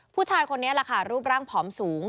ผู้ชายคนนี้แหละค่ะรูปร่างผอมสูง